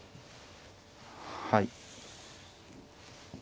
はい。